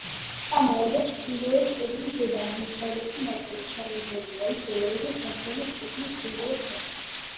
კამარა და ჩრდილოეთ კედლის ზედა, აღმოსავლეთი ნაწილი ჩამონგრეულია, ისევე როგორც დასავლეთ კედლის ჩრდილოეთი ნაწილი.